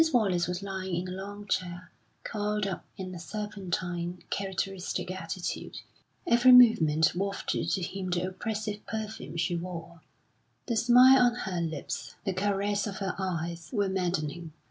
Wallace was lying in a long chair, coiled up in a serpentine, characteristic attitude; every movement wafted to him the oppressive perfume she wore; the smile on her lips, the caress of her eyes, were maddening.